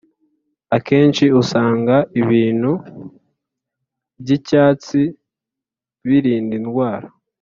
Akenshi usanga ibintu byicyatsi birinda indwara